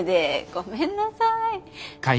ごめんなさい。